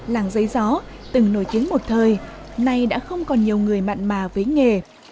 làng giấy gió từng nổi tiếng một thời nay đã không còn nhiều người mặn mà với nghề